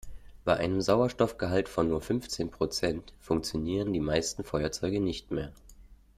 Bei einem Sauerstoffgehalt von nur fünfzehn Prozent funktionieren die meisten Feuerzeuge nicht mehr.